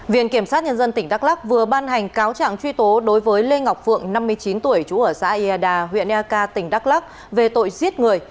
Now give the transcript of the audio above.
viện kiểm sát nhân dân tỉnh đắk lắk vừa ban hành cáo trạng truy tố đối với lê ngọc phượng năm mươi chín tuổi chú ở xã ia đà huyện ia ca tỉnh đắk lắk về tội giết người